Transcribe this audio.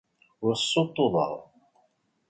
Ur ssuṭṭuḍeɣ.